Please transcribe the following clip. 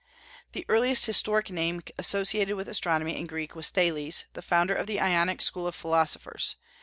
] The earliest historic name associated with astronomy in Greece was Thales, the founder of the Ionic school of philosophers.